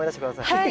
はい。